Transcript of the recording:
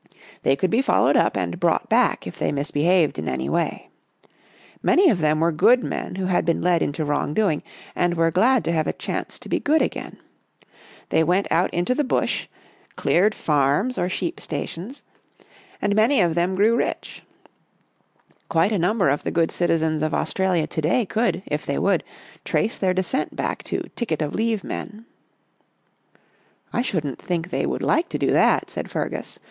They could be followed up and brought back if they misbehaved in any way. Many of them were good men who had been led into wrong doing and were glad to have a chance to be good again. They went out into the ' bush,' cleared farms or sheep stations, and many of them 14 Our Little Australian Cousin grew rich. Quite a number of the good citizens of Australia to day, could, if they would, trace their descent back to ' ticket of leave ' men." " I shouldn't think they would like to do that," said Fergus.